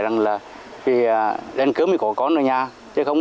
tại địa phương